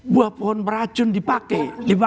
buah pohon meracun dipakai